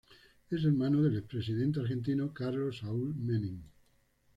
Es hermano del expresidente argentino Carlos Saúl Menem.